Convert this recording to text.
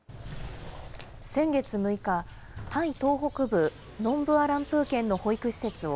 先月６日、タイ東北部ノンブアランプー県の保育施設を、